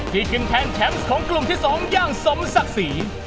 กินแทนแชมป์ของกลุ่มที่๒อย่างสมศักดิ์ศรี